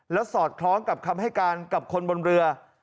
แล้วสอดคล้องกับคำให้การกับคนบนเรือ